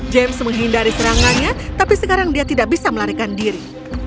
james menghindari serangannya tapi sekarang dia tidak bisa melarikan diri